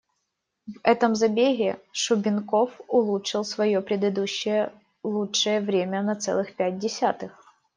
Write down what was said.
В этом забеге Шубенков улучшил своё предыдущее лучшее время на целых пять десятых.